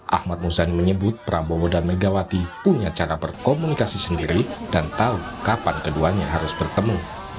ahmad muzani menyebut prabowo dan megawati punya cara berkomunikasi sendiri dan tahu kapan keduanya harus bertemu